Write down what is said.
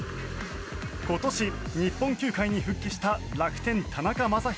今年、日本球界に復帰した楽天・田中将大